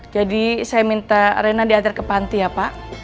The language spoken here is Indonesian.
jadi saya minta rena diantar ke panti ya pak